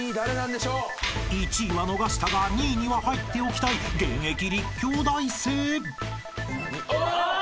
［１位は逃したが２位には入っておきたい現役立教大生］